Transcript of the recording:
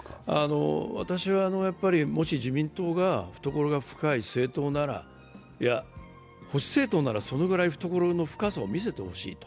私はもし、自民党が懐が深い政党なら、いや、保守政党なら、そのくらいの懐の深さを見せてほしい。